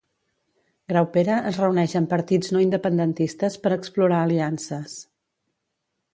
Graupera es reuneix amb partits no-independentistes per explorar aliances.